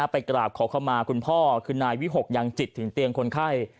ไปกราบขอเข้ามาคุณพ่อคือนายวิหกยังจิตถึงเตียงคนไข้